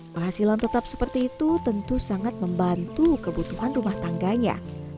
penghasilan tetap seperti itu tentu sangat membantu kebutuhan rumah tangganya